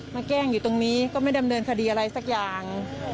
แกล้งอยู่ตรงนี้ก็ไม่ดำเนินคดีอะไรสักอย่าง